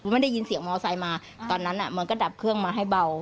ไม่ได้ยินเสียงมอไซค์มาตอนนั้นมันก็ดับเครื่องมาให้เบา